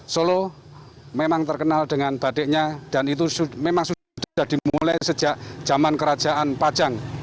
solo memang terkenal dengan batiknya dan itu memang sudah dimulai sejak zaman kerajaan pajang